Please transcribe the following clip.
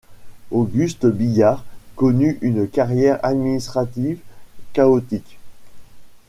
Auguste Billiard connut une carrière administrative chaotique.